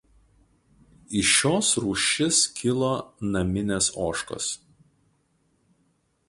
Iš šios rūšis kilo naminės ožkos.